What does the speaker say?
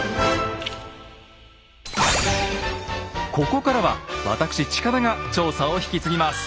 ここからはわたくし近田が調査を引き継ぎます。